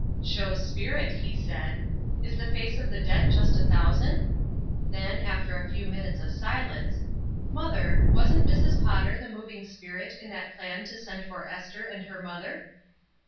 "Shows spirit," he said. ''Is the face of the debt just a thousand?" Then, after a few minutes of silence, '* Mother, wasn't Mrs, Potter the moving spirit in that plan to send for Esther and her mother?"